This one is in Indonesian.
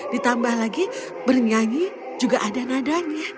ditambah lagi bernyanyi juga ada nadanya